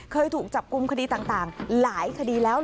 เคยถูกจับกลุ่มคดีต่างหลายคดีแล้ว